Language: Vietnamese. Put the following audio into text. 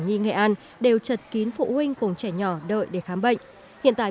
nhi nghệ an đều chật kín phụ huynh cùng trẻ nhỏ đợi để khám bệnh hiện tại